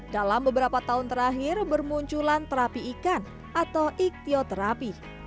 dalam beberapa tahun terakhir bermunculan terapi ikan atau iktioterapi